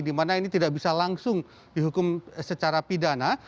di mana ini tidak bisa langsung dihukum secara pidana